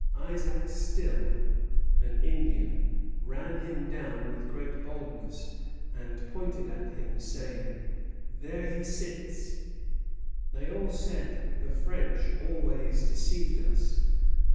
Isaac Still [an Indian] ran him down with great boldness, and pointed at him, saying, 'There he sits!' They all said: 'The French always deceived us!'